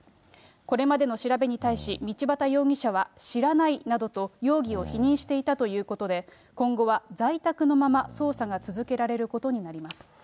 これまでの調べに対し道端容疑者は知らないなどと、容疑を否認していたということで、今後は在宅のまま捜査が続けられることになります。